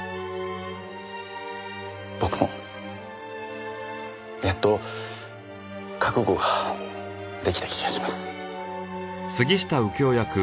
僕もやっと覚悟が出来た気がします。